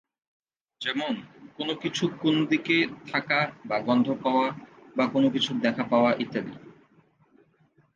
যেমন, কোনো কিছু কোন্ দিকে থাকা, বা গন্ধ পাওয়া, বা কোনো কিছুর দেখা পাওয়া ইত্যাদি।